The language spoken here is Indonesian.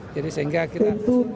jadi sehingga kita